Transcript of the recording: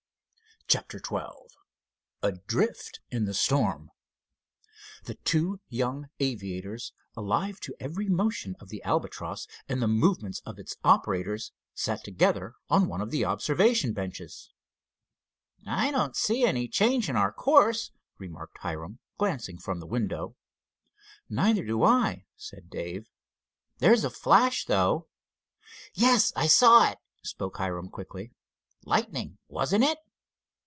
CHAPTER XII ADRIFT IN THE STORM The two young aviators, alive to every motion of the Albatross and the movements of its operators, sat together on one of the observation benches. "I don't see any change in our course," remarked Hiram, glancing from the window. "Neither do I," said Dave. "There's a flash, though." "Yes, I saw it," spoke Hiram, quickly. "Lightning, wasn't it?"